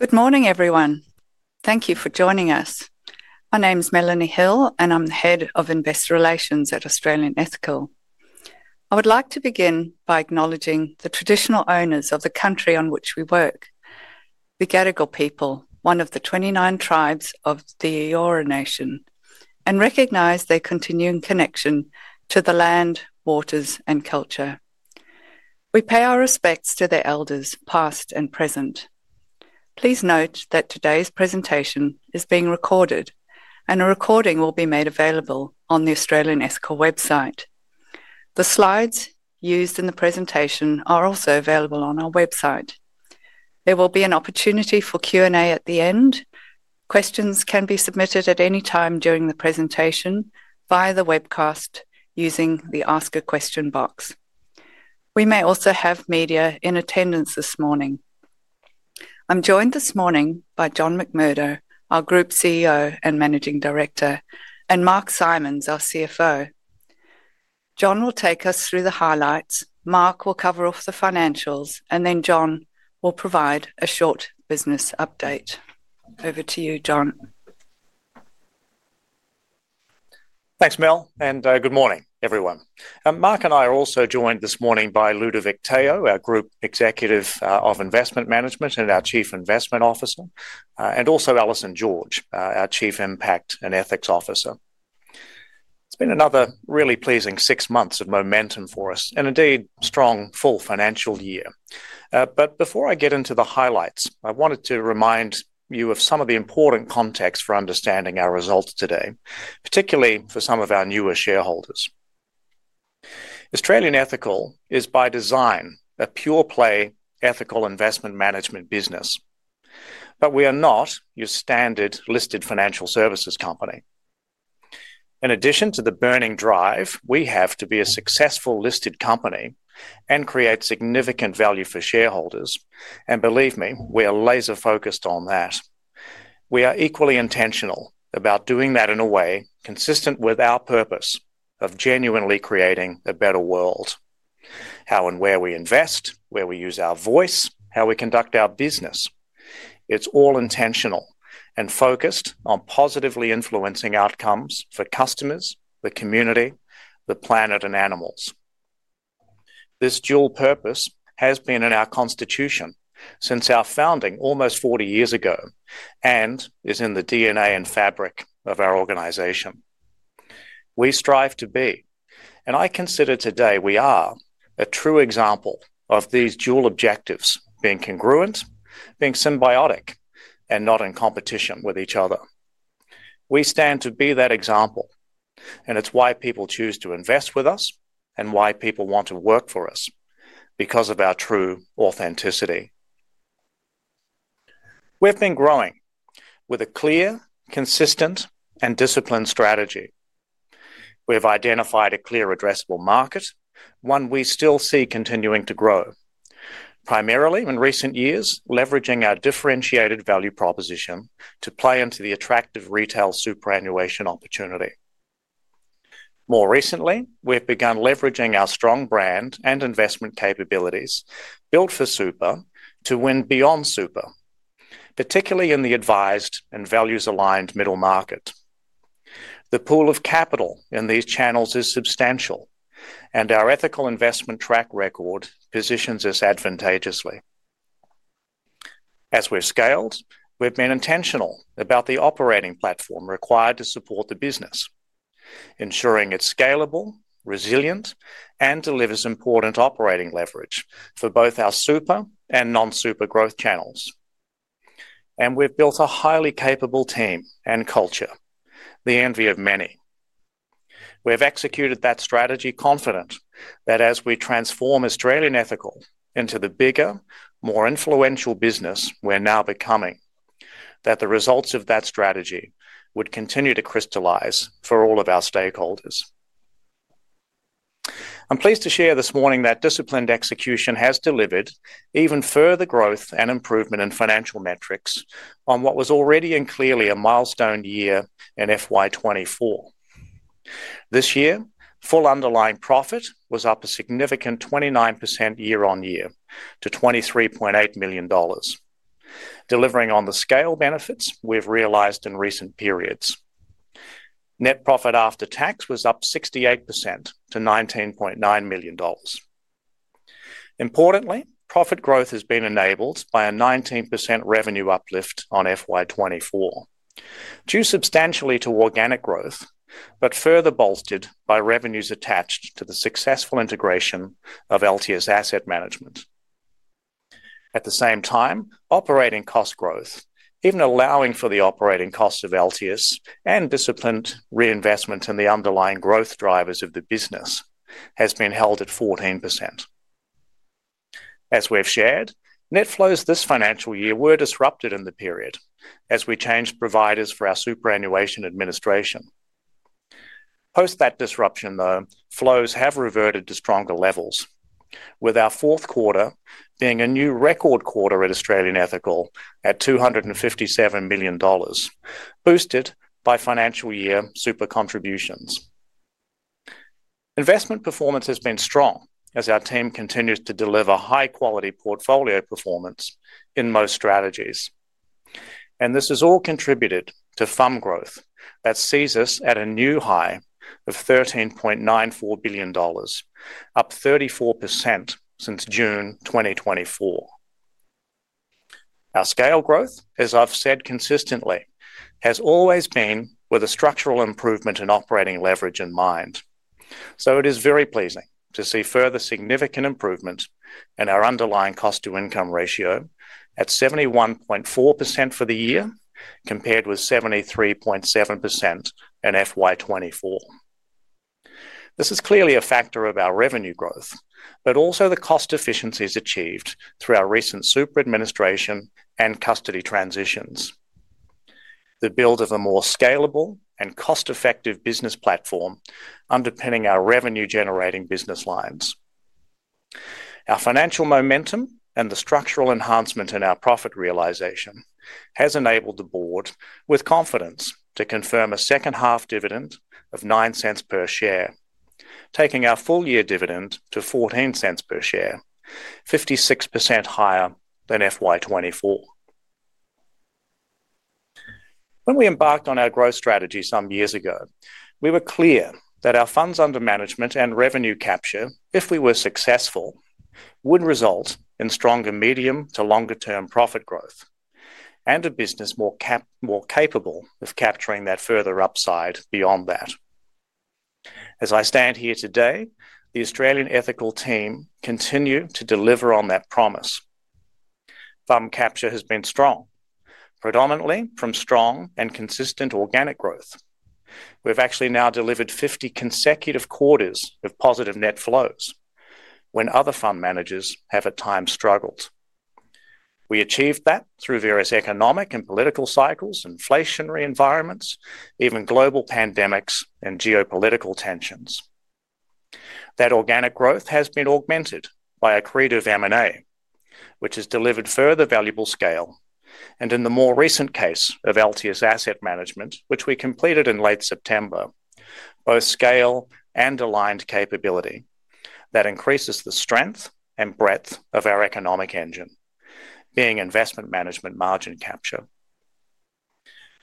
Good morning, everyone. Thank you for joining us. My name is Melanie Hill, and I'm the Head of Investor Relations at Australian Ethical Investment Ltd. I would like to begin by acknowledging the traditional owners of the country on which we work, the Gadigal people, one of the 29 tribes of the Eora Nation, and recognize their continuing connection to the land, waters, and culture. We pay our respects to their elders, past and present. Please note that today's presentation is being recorded, and a recording will be made available on the Australian Ethical Investment Ltd website. The slides used in the presentation are also available on our website. There will be an opportunity for Q&A at the end. Questions can be submitted at any time during the presentation via the webcast using the Ask a Question box. We may also have media in attendance this morning. I'm joined this morning by John McMurdo, our Group CEO and Managing Director, and Mark Simons, our CFO. John will take us through the highlights. Mark will cover off the financials, and then John will provide a short business update. Over to you, John. Thanks, Mel, and good morning, everyone. Mark and I are also joined this morning by Ludovic Teo, our Group Executive of Investment Management and our Chief Investment Officer, and also Alison George, our Chief Impact and Ethics Officer. It's been another really pleasing six months of momentum for us, and indeed a strong, full financial year. Before I get into the highlights, I wanted to remind you of some of the important context for understanding our results today, particularly for some of our newer shareholders. Australian Ethical Investment Ltd is, by design, a pure-play ethical investment management business. We are not your standard listed financial services company. In addition to the burning drive we have to be a successful listed company and create significant value for shareholders, and believe me, we are laser-focused on that, we are equally intentional about doing that in a way consistent with our purpose of genuinely creating a better world. How and where we invest, where we use our voice, how we conduct our business, it's all intentional and focused on positively influencing outcomes for customers, the community, the planet, and animals. This dual purpose has been in our constitution since our founding almost 40 years ago and is in the DNA and fabric of our organization. We strive to be, and I consider today we are, a true example of these dual objectives being congruent, being symbiotic, and not in competition with each other. We stand to be that example, and it's why people choose to invest with us and why people want to work for us, because of our true authenticity. We've been growing with a clear, consistent, and disciplined strategy. We have identified a clear, addressable market, one we still see continuing to grow, primarily in recent years leveraging our differentiated value proposition to play into the attractive retail superannuation opportunity. More recently, we've begun leveraging our strong brand and investment capabilities built for super to win beyond super, particularly in the advised and values-aligned middle market. The pool of capital in these channels is substantial, and our ethical investment track record positions us advantageously. As we've scaled, we've been intentional about the operating platform required to support the business, ensuring it's scalable, resilient, and delivers important operating leverage for both our super and non-super growth channels. We've built a highly capable team and culture, the envy of many. We have executed that strategy confident that as we transform Australian Ethical into the bigger, more influential business we're now becoming, the results of that strategy would continue to crystallize for all of our stakeholders. I'm pleased to share this morning that disciplined execution has delivered even further growth and improvement in financial metrics on what was already and clearly a milestone year in FY2024. This year, full underlying profit was up a significant 29% year-on-year to $23.8 million, delivering on the scale benefits we've realized in recent periods. Net profit after tax was up 68% to $19.9 million. Importantly, profit growth has been enabled by a 19% revenue uplift on FY2024, due substantially to organic growth, but further bolstered by revenues attached to the successful integration of LTS Asset Management. At the same time, operating cost growth, even allowing for the operating cost of LTS and disciplined reinvestments in the underlying growth drivers of the business, has been held at 14%. As we've shared, net flows this financial year were disrupted in the period as we changed providers for our superannuation administration. Post that disruption, though, flows have reverted to stronger levels, with our fourth quarter being a new record quarter at Australian Ethical at $257 million, boosted by financial year super contributions. Investment performance has been strong as our team continues to deliver high-quality portfolio performance in most strategies. This has all contributed to fund growth that sees us at a new high of $13.94 billion, up 34% since June 2024. Our scale growth, as I've said consistently, has always been with a structural improvement in operating leverage in mind. It is very pleasing to see further significant improvement in our underlying cost-to-income ratio at 71.4% for the year compared with 73.7% in FY2024. This is clearly a factor of our revenue growth, but also the cost efficiencies achieved through our recent super administration and custody transitions. The build of a more scalable and cost-effective business platform underpinning our revenue-generating business lines. Our financial momentum and the structural enhancement in our profit realization has enabled the board, with confidence, to confirm a second half dividend of $0.09 per share, taking our full-year dividend to $0.14 per share, 56% higher than FY2024. When we embarked on our growth strategy some years ago, we were clear that our funds under management and revenue capture, if we were successful, would result in stronger medium to longer-term profit growth and a business more capable of capturing that further upside beyond that. As I stand here today, the Australian Ethical team continues to deliver on that promise. Fund capture has been strong, predominantly from strong and consistent organic growth. We've actually now delivered 50 consecutive quarters of positive net flows when other fund managers have at times struggled. We achieved that through various economic and political cycles, inflationary environments, even global pandemics, and geopolitical tensions. That organic growth has been augmented by accretive M&A, which has delivered further valuable scale, and in the more recent case of LTS Asset Management, which we completed in late September, both scale and aligned capability that increases the strength and breadth of our economic engine, being investment management margin capture.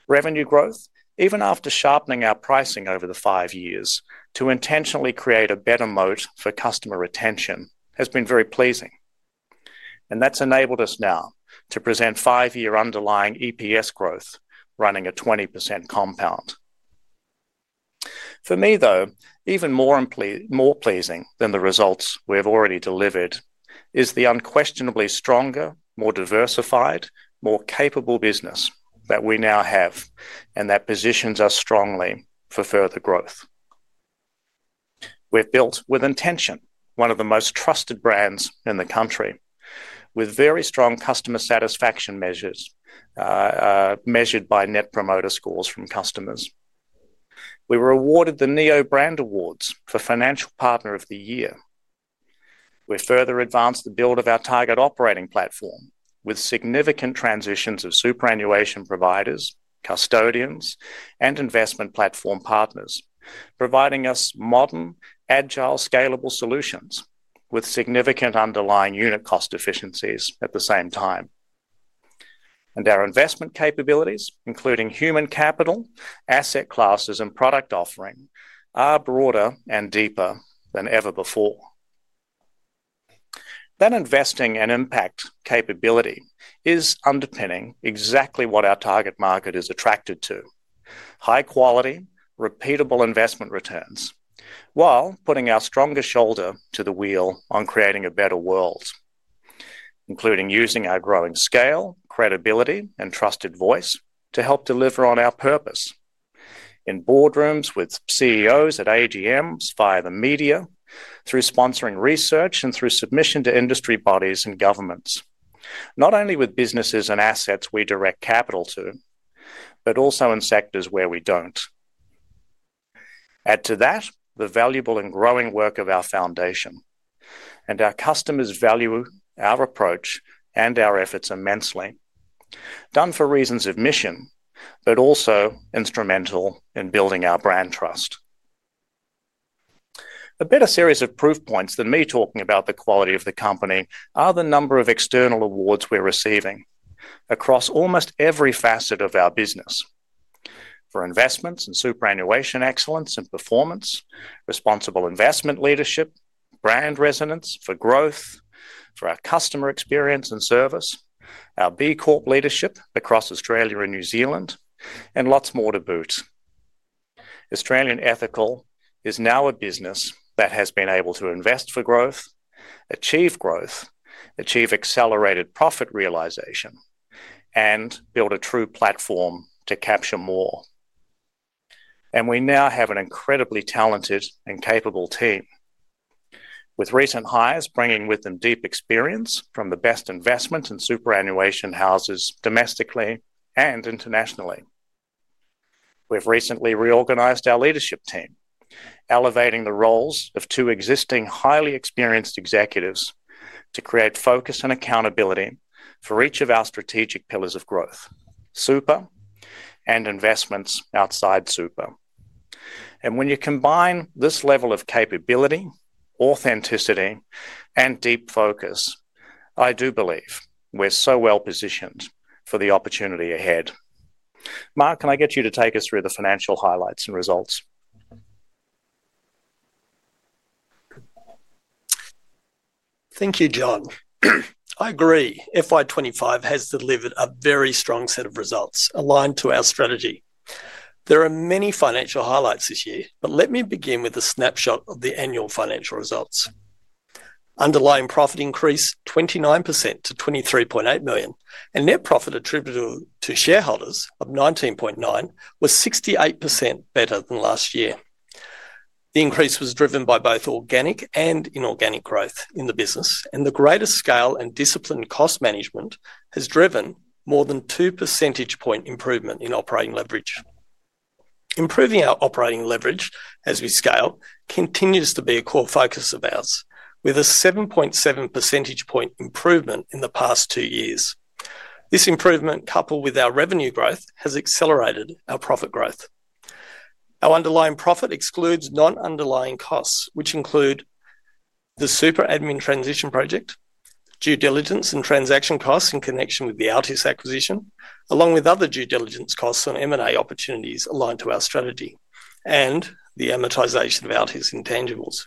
Revenue growth, even after sharpening our pricing over the five years to intentionally create a better moat for customer retention, has been very pleasing. That's enabled us now to present five-year underlying EPS growth running at 20% compound. For me, though, even more pleasing than the results we have already delivered is the unquestionably stronger, more diversified, more capable business that we now have, and that positions us strongly for further growth. We've built with intention one of the most trusted brands in the country, with very strong customer satisfaction measures measured by Net Promoter Scores from customers. We were awarded the NEO Brand Awards for Financial Partner of the Year. We further advanced the build of our target operating platform with significant transitions of superannuation providers, custodians, and investment platform partners, providing us modern, agile, scalable solutions with significant underlying unit cost efficiencies at the same time. Our investment capabilities, including human capital, asset classes, and product offering, are broader and deeper than ever before. That investing and impact capability is underpinning exactly what our target market is attracted to: high-quality, repeatable investment returns, while putting our stronger shoulder to the wheel on creating a better world, including using our growing scale, credibility, and trusted voice to help deliver on our purpose in boardrooms, with CEOs at AGMs, via the media, through sponsoring research, and through submission to industry bodies and governments, not only with businesses and assets we direct capital to, but also in sectors where we don't. Add to that the valuable and growing work of our foundation, and our customers value our approach and our efforts immensely, done for reasons of mission, but also instrumental in building our brand trust. A better series of proof points than me talking about the quality of the company are the number of external awards we're receiving across almost every facet of our business for investments and superannuation excellence and performance, responsible investment leadership, brand resonance for growth, for our customer experience and service, our B Corp leadership across Australia and New Zealand, and lots more to boot. Australian Ethical is now a business that has been able to invest for growth, achieve growth, achieve accelerated profit realisation, and build a true platform to capture more. We now have an incredibly talented and capable team, with recent hires bringing with them deep experience from the best investment and superannuation houses domestically and internationally. We've recently reorganized our leadership team, elevating the roles of two existing highly experienced executives to create focus and accountability for each of our strategic pillars of growth: super and investments outside super. When you combine this level of capability, authenticity, and deep focus, I do believe we're so well positioned for the opportunity ahead. Mark, can I get you to take us through the financial highlights and results? Thank you, John. I agree, FY25 has delivered a very strong set of results aligned to our strategy. There are many financial highlights this year, but let me begin with a snapshot of the annual financial results. Underlying profit increased 29% to $23.8 million, and net profit attributable to shareholders of $19.9 million was 68% better than last year. The increase was driven by both organic and inorganic growth in the business, and the greater scale and disciplined cost management has driven more than two percentage point improvement in operating leverage. Improving our operating leverage as we scale continues to be a core focus of ours, with a 7.7 percentage point improvement in the past two years. This improvement, coupled with our revenue growth, has accelerated our profit growth. Our underlying profit excludes non-underlying costs, which include the super admin transition project, due diligence and transaction costs in connection with the LTS Asset Management acquisition, along with other due diligence costs on M&A opportunities aligned to our strategy, and the amortization of LTS intangibles.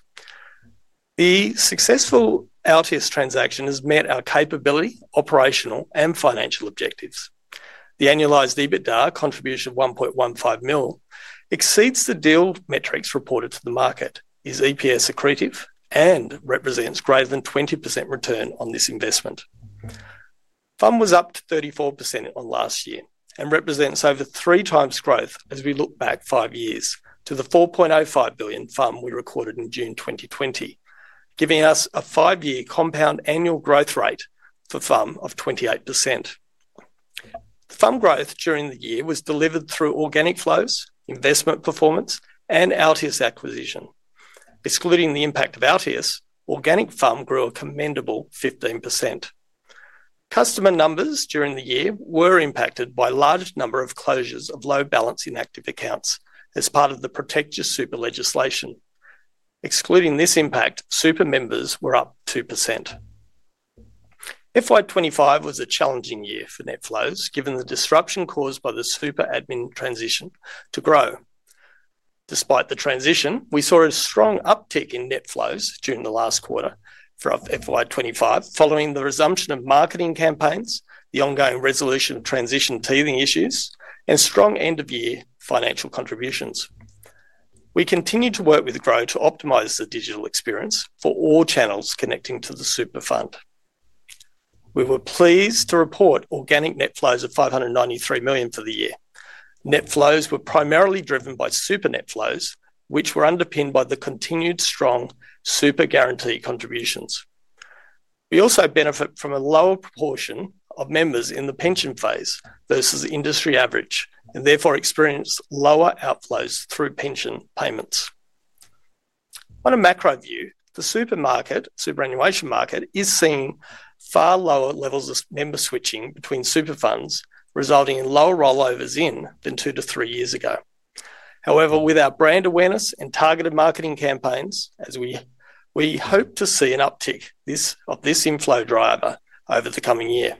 The successful LTS transaction has met our capability, operational, and financial objectives. The annualized EBITDA contribution of $1.15 million exceeds the deal metrics reported to the market, is EPS accretive, and represents greater than 20% return on this investment. Funds under management was up 34% on last year and represents over three times growth as we look back five years to the $4.05 billion fund we recorded in June 2020, giving us a five-year compound annual growth rate for funds under management of 28%. Funds under management growth during the year was delivered through organic flows, investment performance, and the LTS Asset Management acquisition. Excluding the impact of LTS Asset Management, organic funds under management grew a commendable 15%. Customer numbers during the year were impacted by a large number of closures of low balance inactive accounts as part of the protected superannuation legislation. Excluding this impact, superannuation members were up 2%. FY25 was a challenging year for net flows given the disruption caused by the superannuation admin transition to Grow. Despite the transition, we saw a strong uptick in net flows during the last quarter for FY25 following the resumption of marketing campaigns, the ongoing resolution of transition teething issues, and strong end-of-year financial contributions. We continue to work with Grow to optimize the digital experience for all channels connecting to the superannuation fund. We were pleased to report organic net flows of $593 million for the year. Net flows were primarily driven by super net flows, which were underpinned by the continued strong super guarantee contributions. We also benefit from a lower proportion of members in the pension phase versus industry average and therefore experience lower outflows through pension payments. On a macro view, the superannuation market is seeing far lower levels of member switching between super funds, resulting in lower rollovers than two to three years ago. However, with our brand awareness and targeted marketing campaigns, we hope to see an uptick of this inflow driver over the coming year.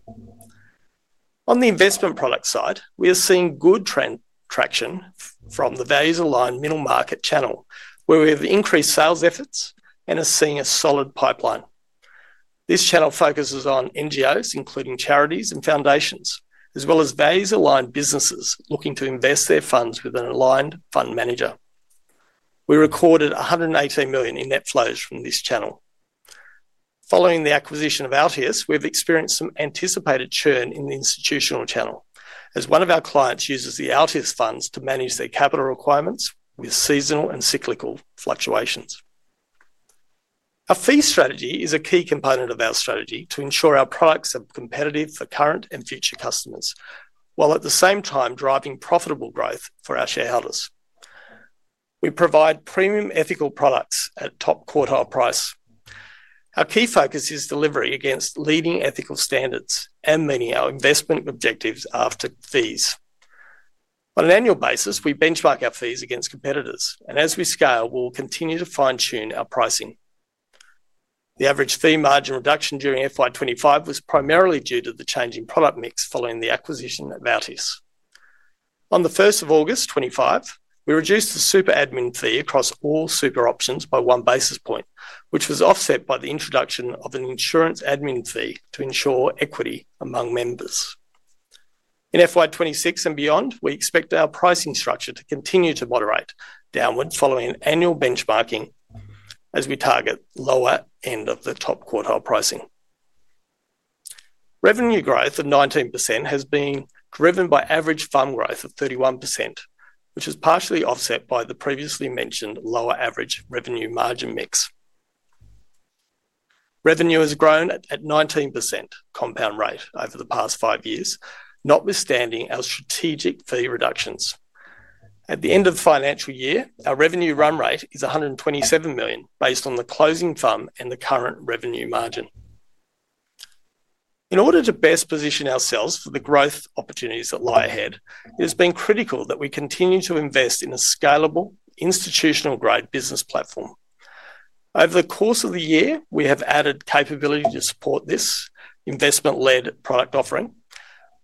On the investment product side, we are seeing good traction from the values-aligned middle market channel, where we have increased sales efforts and are seeing a solid pipeline. This channel focuses on NGOs, including charities and foundations, as well as values-aligned businesses looking to invest their funds with an aligned fund manager. We recorded $118 million in net flows from this channel. Following the acquisition of LTS Asset Management, we have experienced some anticipated churn in the institutional channel as one of our clients uses the LTS funds to manage their capital requirements with seasonal and cyclical fluctuations. Our fee strategy is a key component of our strategy to ensure our products are competitive for current and future customers, while at the same time driving profitable growth for our shareholders. We provide premium ethical products at top quartile price. Our key focus is delivering against leading ethical standards and meeting our investment objectives after fees. On an annual basis, we benchmark our fees against competitors, and as we scale, we'll continue to fine-tune our pricing. The average fee margin reduction during FY25 was primarily due to the changing product mix following the acquisition of LTS Asset Management. On the 1st of August 2025, we reduced the super admin fee across all super options by one basis point, which was offset by the introduction of an insurance admin fee to ensure equity among members. In FY26 and beyond, we expect our pricing structure to continue to moderate downward following annual benchmarking as we target lower end of the top quartile pricing. Revenue growth of 19% has been driven by average fund growth of 31%, which is partially offset by the previously mentioned lower average revenue margin mix. Revenue has grown at 19% compound rate over the past five years, notwithstanding our strategic fee reductions. At the end of the financial year, our revenue run rate is $127 million based on the closing fund and the current revenue margin. In order to best position ourselves for the growth opportunities that lie ahead, it has been critical that we continue to invest in a scalable, institutional-grade business platform. Over the course of the year, we have added capability to support this investment-led product offering.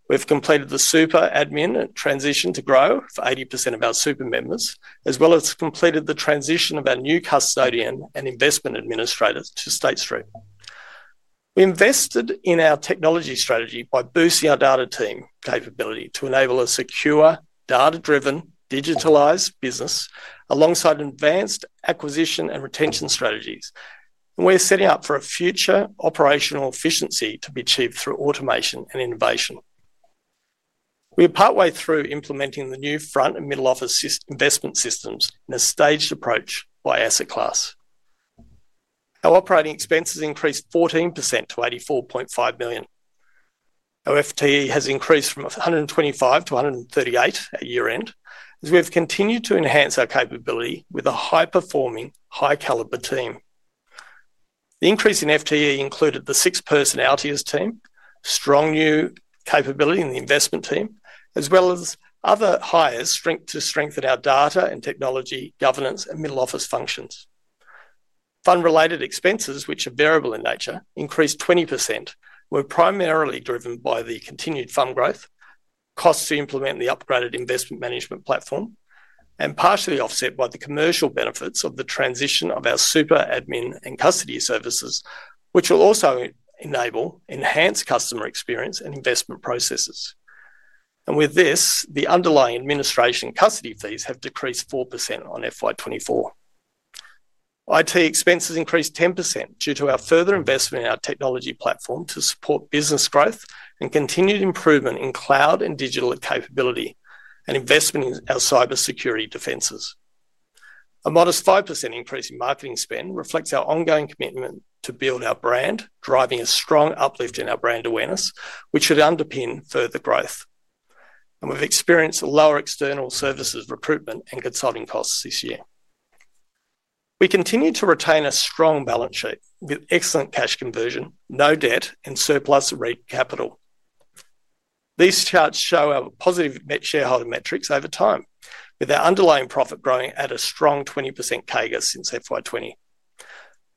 We've completed the super admin transition to Grow for 80% of our super members, as well as completed the transition of our new custodian and investment administrator to State Street. We invested in our technology strategy by boosting our data team capability to enable a secure, data-driven, digitalized business alongside advanced acquisition and retention strategies, and we're setting up for a future operational efficiency to be achieved through automation and innovation. We are partway through implementing the new front and middle office investment systems in a staged approach by asset class. Our operating expenses increased 14% to $84.5 million. Our FTE has increased from 125 to 138 at year end, as we have continued to enhance our capability with a high-performing, high-caliber team. The increase in FTE included the six-person LTS team, strong new capability in the investment team, as well as other hires to strengthen our data and technology governance and middle office functions. Fund-related expenses, which are variable in nature, increased 20%, were primarily driven by the continued fund growth, costs to implement the upgraded investment management platform, and partially offset by the commercial benefits of the transition of our super admin and custody services, which will also enable enhanced customer experience and investment processes. The underlying administration custody fees have decreased 4% on FY24. IT expenses increased 10% due to our further investment in our technology platform to support business growth and continued improvement in cloud and digital capability and investment in our cybersecurity defenses. A modest 5% increase in marketing spend reflects our ongoing commitment to build our brand, driving a strong uplift in our brand awareness, which should underpin further growth. We have experienced lower external services, recruitment, and consulting costs this year. We continue to retain a strong balance sheet with excellent cash conversion, no debt, and surplus REIT capital. These charts show our positive shareholder metrics over time, with our underlying profit growing at a strong 20% CAGR since FY2020.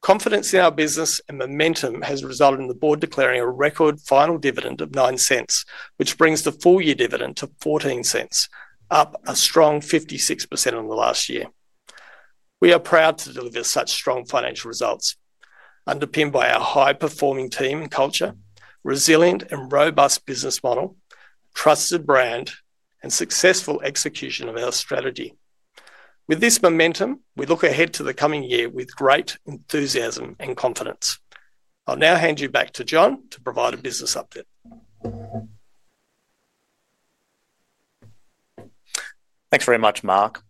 Confidence in our business and momentum has resulted in the board declaring a record final dividend of $0.09, which brings the full-year dividend to $0.14, up a strong 56% in the last year. We are proud to deliver such strong financial results, underpinned by our high-performing team and culture, resilient and robust business model, trusted brand, and successful execution of our strategy. With this momentum, we look ahead to the coming year with great enthusiasm and confidence. I'll now hand you back to John to provide a business update. Thanks very much, Mark.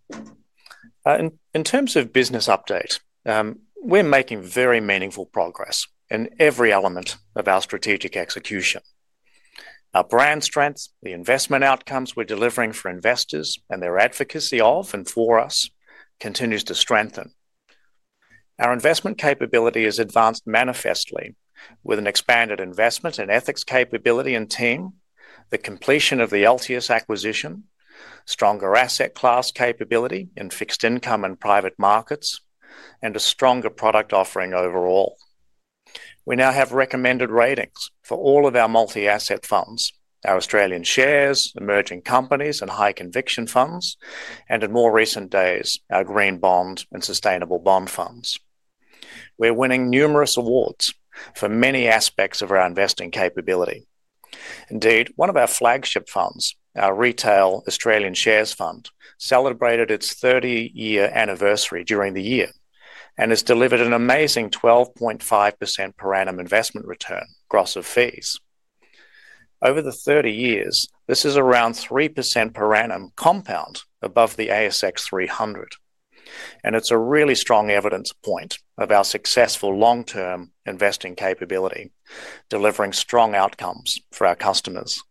In terms of business updates, we're making very meaningful progress in every element of our strategic execution. Our brand strengths, the investment outcomes we're delivering for investors, and their advocacy of and for us continues to strengthen. Our investment capability has advanced manifestly with an expanded investment and ethics capability and team, the completion of the LTS Asset Management acquisition, stronger asset class capability in fixed income and private markets, and a stronger product offering overall. We now have recommended ratings for all of our multi-asset funds: our Australian shares, emerging companies, and high conviction funds, and in more recent days, our green bond and sustainable bond funds. We're winning numerous awards for many aspects of our investing capability. Indeed, one of our flagship funds, our retail Australian shares fund, celebrated its 30-year anniversary during the year and has delivered an amazing 12.5% per annum investment return across fees. Over the 30 years, this is around 3% per annum compound above the ASX 300, and it's a really strong evidence point of our successful long-term investing capability, delivering strong outcomes for our customers.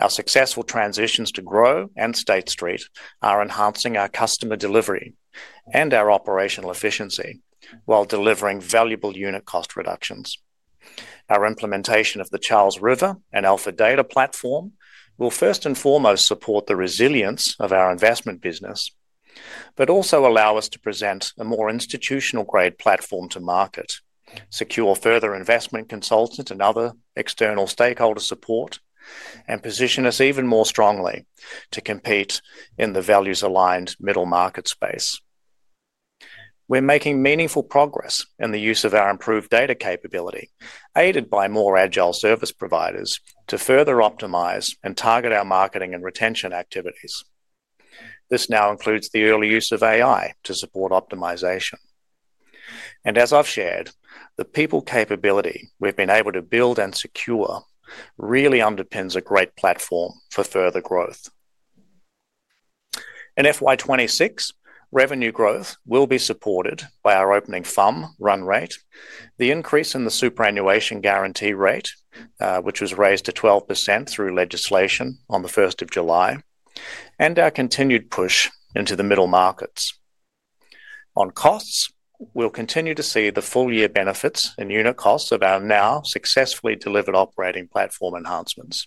Our successful transitions to Grow and State Street are enhancing our customer delivery and our operational efficiency while delivering valuable unit cost reductions. Our implementation of the Charles River and Alpha Data platform will first and foremost support the resilience of our investment business, but also allow us to present a more institutional-grade platform to market, secure further investment consultants and other external stakeholder support, and position us even more strongly to compete in the values-aligned middle market space. We're making meaningful progress in the use of our improved data capability, aided by more agile service providers to further optimize and target our marketing and retention activities. This now includes the early use of AI to support optimization. As I've shared, the people capability we've been able to build and secure really underpins a great platform for further growth. In FY26, revenue growth will be supported by our opening fund run rate, the increase in the superannuation guarantee rate, which was raised to 12% through legislation on the 1st of July, and our continued push into the middle markets. On costs, we'll continue to see the full-year benefits and unit costs of our now successfully delivered operating platform enhancements,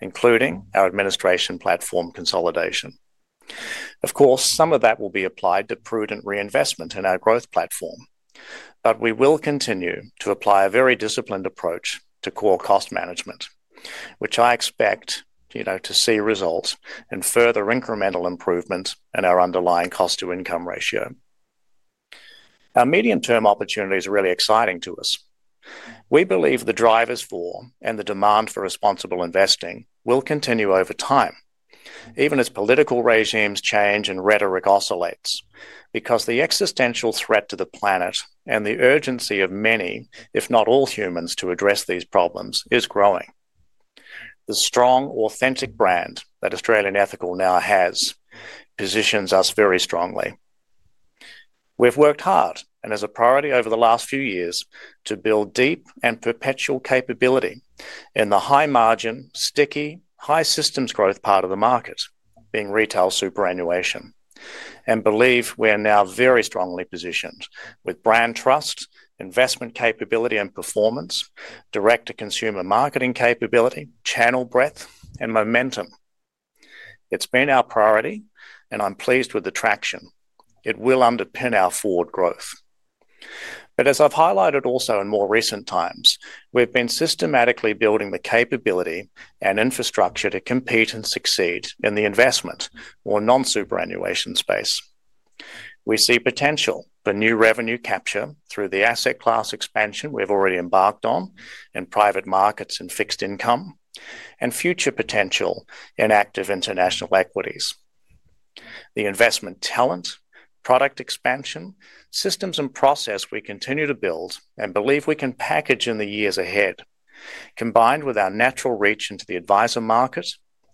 including our administration platform consolidation. Of course, some of that will be applied to prudent reinvestment in our growth platform, but we will continue to apply a very disciplined approach to core cost management, which I expect to see results in further incremental improvements in our underlying cost-to-income ratio. Our medium-term opportunities are really exciting to us. We believe the drivers for and the demand for responsible investing will continue over time, even as political regimes change and rhetoric oscillates, because the existential threat to the planet and the urgency of many, if not all, humans to address these problems is growing. The strong, authentic brand that Australian Ethical now has positions us very strongly. We've worked hard and as a priority over the last few years to build deep and perpetual capability in the high margin, sticky, high systems growth part of the market, being retail superannuation, and believe we are now very strongly positioned with brand trust, investment capability and performance, direct-to-consumer marketing capability, channel breadth, and momentum. It's been our priority, and I'm pleased with the traction. It will underpin our forward growth. As I've highlighted also in more recent times, we've been systematically building the capability and infrastructure to compete and succeed in the investment or non-superannuation space. We see potential for new revenue capture through the asset class expansion we've already embarked on in private markets and fixed income, and future potential in active international equities. The investment talent, product expansion, systems, and process we continue to build and believe we can package in the years ahead, combined with our natural reach into the advisor market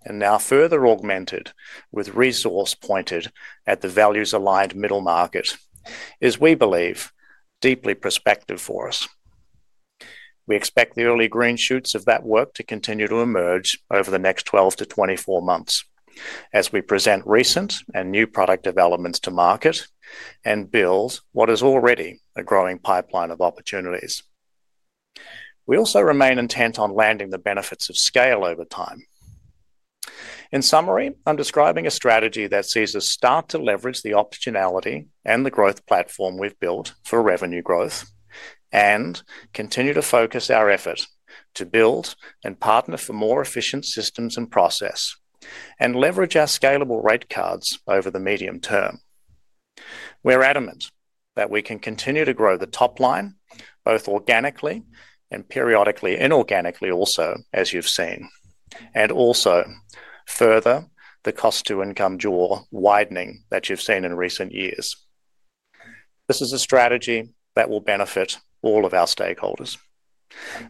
and now further augmented with resource pointed at the values-aligned middle market, is we believe deeply prospective for us. We expect the early green shoots of that work to continue to emerge over the next 12 to 24 months as we present recent and new product developments to market and build what is already a growing pipeline of opportunities. We also remain intent on landing the benefits of scale over time. In summary, I'm describing a strategy that sees us start to leverage the optionality and the growth platform we've built for revenue growth, and continue to focus our effort to build and partner for more efficient systems and process, and leverage our scalable rate cards over the medium term. We're adamant that we can continue to grow the top line both organically and periodically, inorganically also, as you've seen, and also further the cost-to-income jaw widening that you've seen in recent years. This is a strategy that will benefit all of our stakeholders.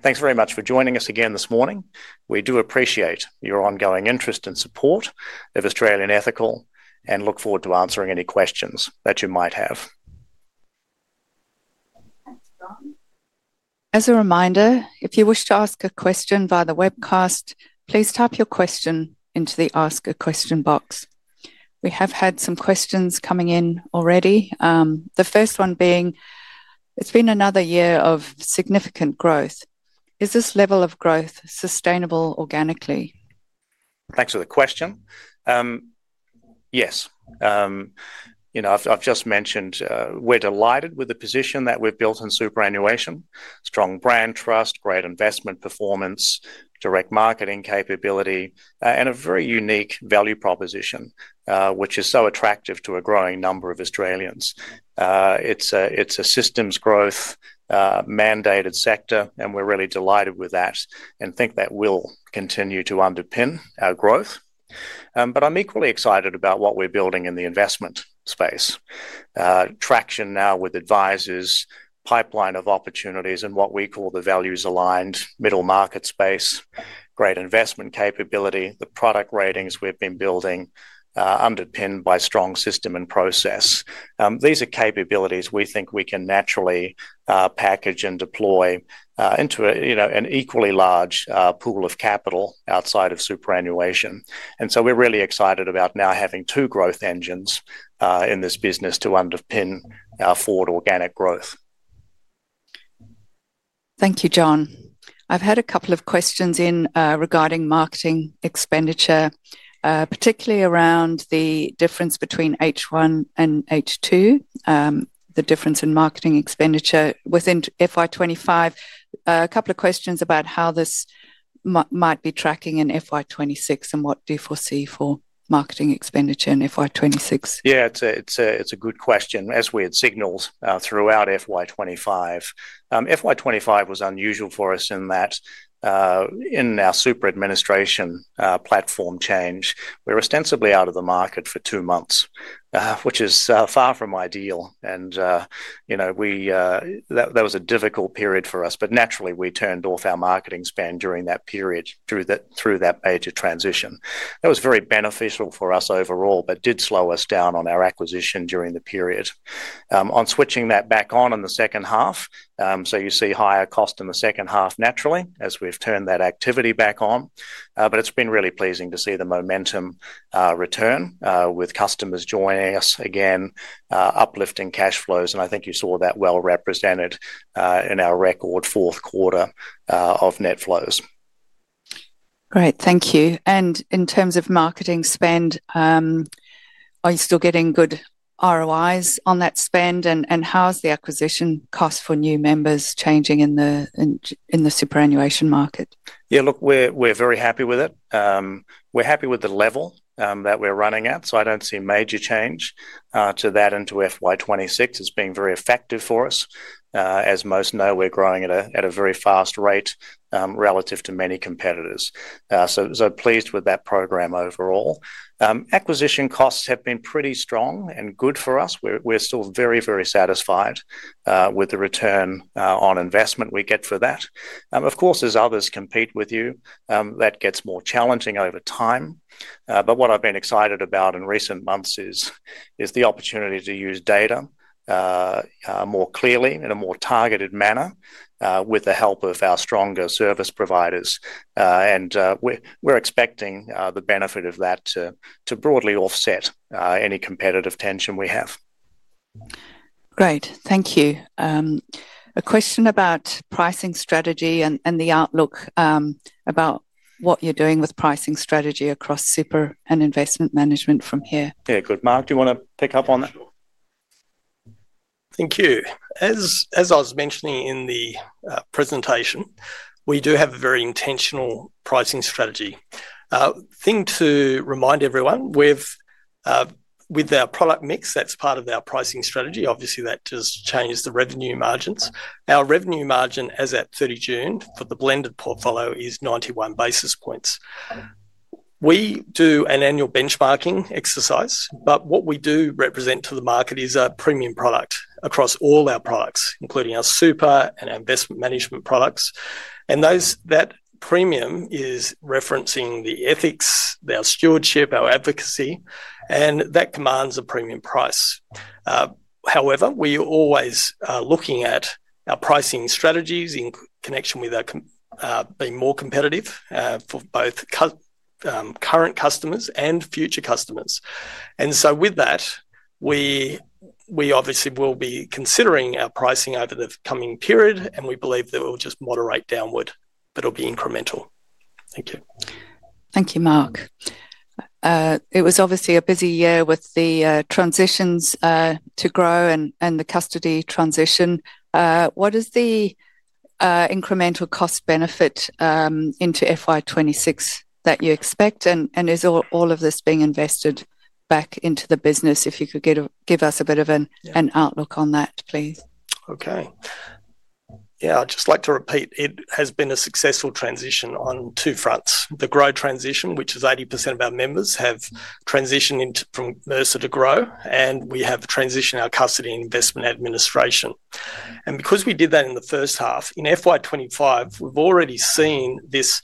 Thanks very much for joining us again this morning. We do appreciate your ongoing interest and support of Australian Ethical and look forward to answering any questions that you might have. As a reminder, if you wish to ask a question via the webcast, please type your question into the Ask a Question box. We have had some questions coming in already. The first one being, it's been another year of significant growth. Is this level of growth sustainable organically? Thanks for the question. Yes. I've just mentioned we're delighted with the position that we've built in superannuation, strong brand trust, great investment performance, direct marketing capability, and a very unique value proposition, which is so attractive to a growing number of Australians. It's a systems growth mandated sector, and we're really delighted with that and think that will continue to underpin our growth. I'm equally excited about what we're building in the investment space. Traction now with advisors, pipeline of opportunities, and what we call the values-aligned middle market space, great investment capability, the product ratings we've been building underpinned by strong system and process. These are capabilities we think we can naturally package and deploy into an equally large pool of capital outside of superannuation. We're really excited about now having two growth engines in this business to underpin our forward organic growth. Thank you, John. I've had a couple of questions in regarding marketing expenditure, particularly around the difference between H1 and H2, the difference in marketing expenditure within FY25. A couple of questions about how this might be tracking in FY26 and what do you foresee for marketing expenditure in FY26? Yeah, it's a good question. As we had signaled throughout FY25, FY25 was unusual for us in that in our super administration platform change, we were ostensibly out of the market for two months, which is far from ideal. That was a difficult period for us, but naturally we turned off our marketing spend during that period through that major transition. That was very beneficial for us overall, but did slow us down on our acquisition during the period. On switching that back on in the second half, you see higher cost in the second half naturally as we've turned that activity back on, but it's been really pleasing to see the momentum return with customers joining us again, uplifting cash flows, and I think you saw that well represented in our record fourth quarter of net flows. Great, thank you. In terms of marketing spend, are you still getting good ROIs on that spend, and how's the acquisition cost for new members changing in the superannuation market? Yeah, look, we're very happy with it. We're happy with the level that we're running at, so I don't see a major change to that into FY26. It's been very effective for us. As most know, we're growing at a very fast rate relative to many competitors. We're pleased with that program overall. Acquisition costs have been pretty strong and good for us. We're still very, very satisfied with the return on investment we get for that. Of course, as others compete with you, that gets more challenging over time. What I've been excited about in recent months is the opportunity to use data more clearly in a more targeted manner with the help of our stronger service providers, and we're expecting the benefit of that to broadly offset any competitive tension we have. Great, thank you. A question about pricing strategy and the outlook about what you're doing with pricing strategy across superannuation and investment management from here. Yeah, good. Mark, do you want to pick up on that? Thank you. As I was mentioning in the presentation, we do have a very intentional pricing strategy. Thing to remind everyone, with our product mix that's part of our pricing strategy, obviously, that just changes the revenue margins. Our revenue margin as at 30 June for the blended portfolio is 91 basis points. We do an annual benchmarking exercise, but what we do represent to the market is a premium product across all our products, including our super and our investment management products. That premium is referencing the ethics, our stewardship, our advocacy, and that commands a premium price. However, we are always looking at our pricing strategies in connection with being more competitive for both current customers and future customers. With that, we obviously will be considering our pricing over the coming period, and we believe that it will just moderate downward, but it'll be incremental. Thank you. Thank you, Mark. It was obviously a busy year with the transitions to Grow and the custody transition. What is the incremental cost benefit into FY2026 that you expect, and is all of this being invested back into the business? If you could give us a bit of an outlook on that, please. Okay. Yeah, I'd just like to repeat it has been a successful transition on two fronts. The Grow transition, which is 80% of our members have transitioned from Mercer to Grow, and we have transitioned our custody and investment administration. Because we did that in the first half, in FY2025, we've already seen these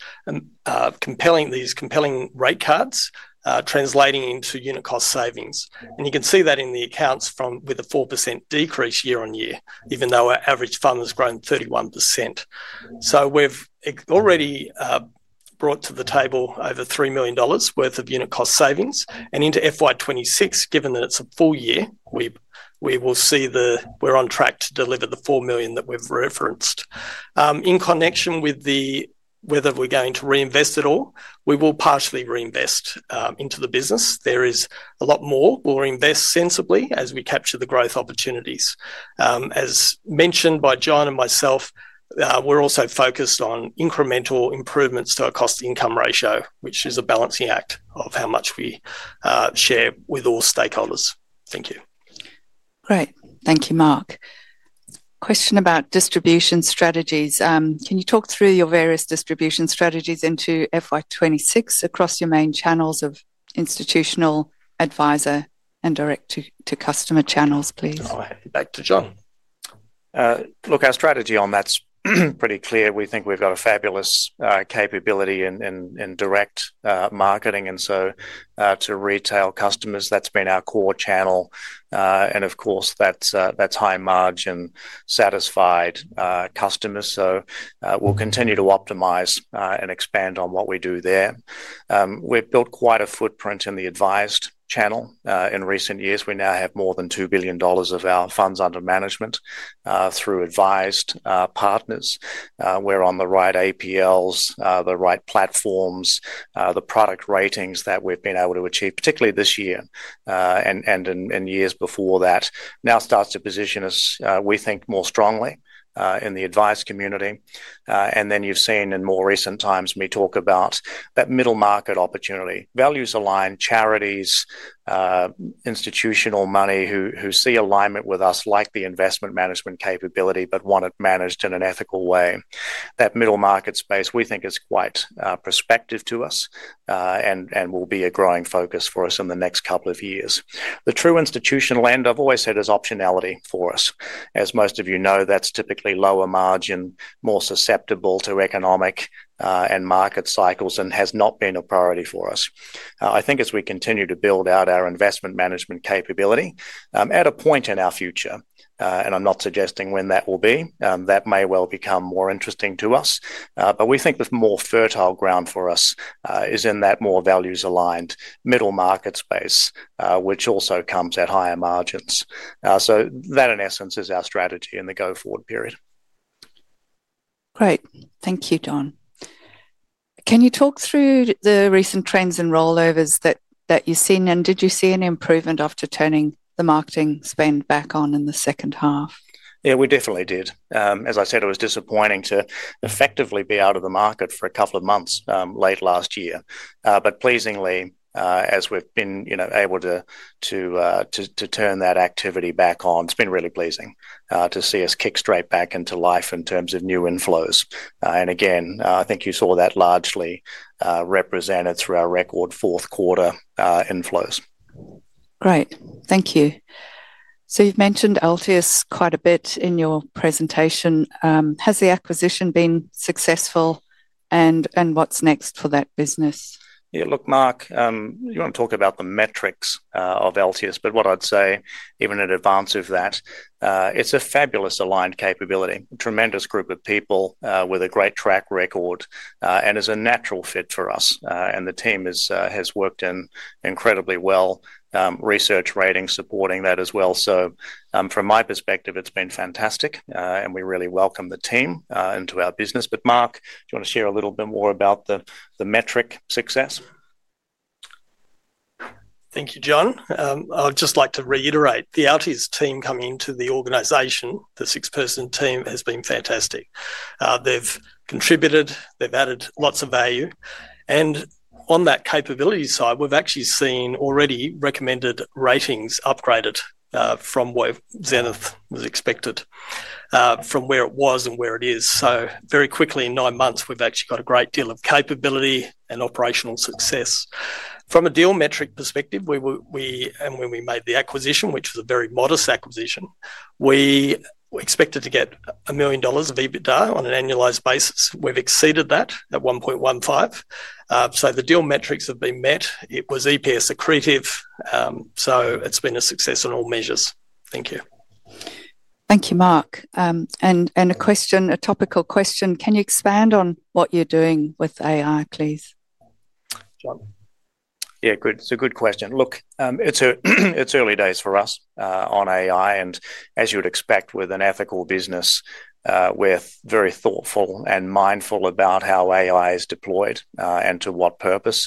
compelling rate cards translating into unit cost savings. You can see that in the accounts with a 4% decrease year on year, even though our average fund has grown 31%. We've already brought to the table over $3 million worth of unit cost savings, and into FY2026, given that it's a full year, we will see that we're on track to deliver the $4 million that we've referenced. In connection with whether we're going to reinvest at all, we will partially reinvest into the business. There is a lot more. We'll reinvest sensibly as we capture the growth opportunities. As mentioned by John and myself, we're also focused on incremental improvements to our cost-to-income ratio, which is a balancing act of how much we share with all stakeholders. Thank you. Great, thank you, Mark. Question about distribution strategies. Can you talk through your various distribution strategies into FY2026 across your main channels of institutional, advisor, and direct-to-customer channels, please? Back to John. Look, our strategy on that's pretty clear. We think we've got a fabulous capability in direct marketing, and to retail customers, that's been our core channel. Of course, that's high margin satisfied customers. We'll continue to optimize and expand on what we do there. We've built quite a footprint in the advised channel in recent years. We now have more than $2 billion of our funds under management through advised partners. We're on the right APLs, the right platforms, the product ratings that we've been able to achieve, particularly this year and in years before that, now start to position us, we think, more strongly in the advice community. You've seen in more recent times me talk about that middle market opportunity, values-aligned charities, institutional money who see alignment with us, like the investment management capability, but want it managed in an ethical way. That middle market space, we think, is quite prospective to us and will be a growing focus for us in the next couple of years. The true institutional end, I've always said, is optionality for us. As most of you know, that's typically lower margin, more susceptible to economic and market cycles, and has not been a priority for us. I think as we continue to build out our investment management capability, at a point in our future, and I'm not suggesting when that will be, that may well become more interesting to us. We think there's more fertile ground for us in that more values-aligned middle market space, which also comes at higher margins. That, in essence, is our strategy in the go-forward period. Great, thank you, John. Can you talk through the recent trends and rollovers that you've seen, and did you see an improvement after turning the marketing spend back on in the second half? Yeah, we definitely did. As I said, it was disappointing to effectively be out of the market for a couple of months late last year. Pleasingly, as we've been able to turn that activity back on, it's been really pleasing to see us kick straight back into life in terms of new inflows. I think you saw that largely represented through our record fourth quarter inflows. Great, thank you. You've mentioned LTS quite a bit in your presentation. Has the acquisition been successful, and what's next for that business? Yeah, look, Mark, you want to talk about the metrics of LTS, but what I'd say even in advance of that, it's a fabulous aligned capability, a tremendous group of people with a great track record, and is a natural fit for us. The team has worked in incredibly well, research rating supporting that as well. From my perspective, it's been fantastic, and we really welcome the team into our business. Mark, do you want to share a little bit more about the metric success? Thank you, John. I'd just like to reiterate the LTS team coming into the organization, the six-person team, has been fantastic. They've contributed, they've added lots of value. On that capability side, we've actually seen already recommended ratings upgraded from where Zenith was expected, from where it was and where it is. Very quickly, in nine months, we've actually got a great deal of capability and operational success. From a deal metric perspective, when we made the acquisition, which was a very modest acquisition, we expected to get $1 million of EBITDA on an annualized basis. We've exceeded that at $1.15 million. The deal metrics have been met. It was EPS accretive, so it's been a success in all measures. Thank you. Thank you, Mark. A question, a topical question. Can you expand on what you're doing with AI, please? Yeah, good. It's a good question. It's early days for us on AI, and as you would expect with an ethical business, we're very thoughtful and mindful about how AI is deployed and to what purpose.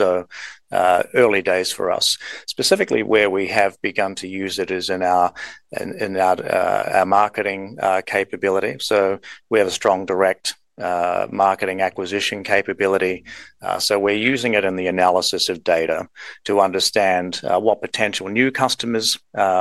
Early days for us. Specifically, where we have begun to use it is in our marketing capability. We have a strong direct marketing acquisition capability, so we're using it in the analysis of data to understand what potential new customers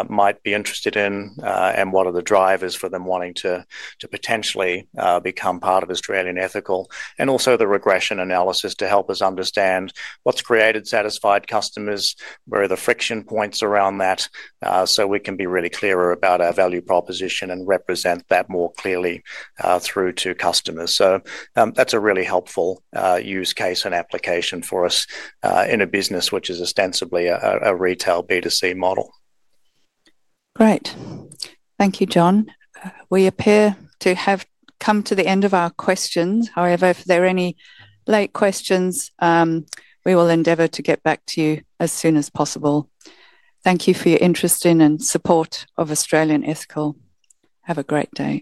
might be interested in and what are the drivers for them wanting to potentially become part of Australian Ethical, and also the regression analysis to help us understand what's created satisfied customers, where are the friction points around that, so we can be really clearer about our value proposition and represent that more clearly through to customers. That's a really helpful use case and application for us in a business which is ostensibly a retail B2C model. Great, thank you, John. We appear to have come to the end of our questions. However, if there are any late questions, we will endeavor to get back to you as soon as possible. Thank you for your interest in and support of Australian Ethical Investment Ltd. Have a great day.